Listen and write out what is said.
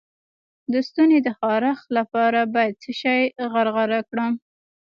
د ستوني د خارش لپاره باید څه شی غرغره کړم؟